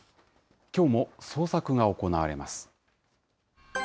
きょうも捜索が行われます。